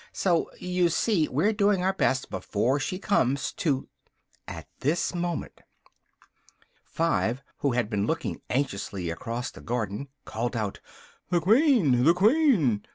So, you see, we're doing our best, before she comes, to " At this moment Five, who had been looking anxiously across the garden called out "the Queen! the Queen!"